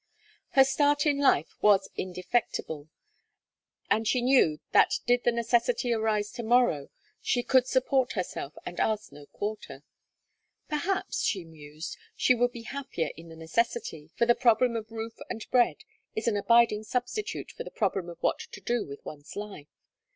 Her start in life was indefectible, and she knew that did the necessity arise to morrow she could support herself and ask no quarter. Perhaps, she mused, she would be happier in the necessity, for the problem of roof and bread is an abiding substitute for the problem of what to do with one's life.